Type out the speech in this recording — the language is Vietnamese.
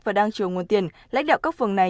và đang chờ nguồn tiền lãnh đạo các phường này